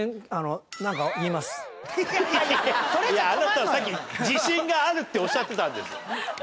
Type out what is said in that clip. いやあなたさっき自信があるっておっしゃってたんです。